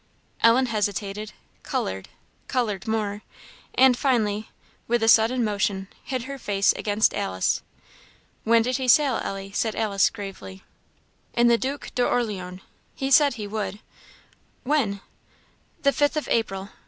Ellen hesitated coloured coloured more and finally, with a sudden motion, hid her face against Alice. "When did he sail, Ellie?" said Alice, gravely. "In the Duc d'Orleans he said he would " "When?" "The fifth of April.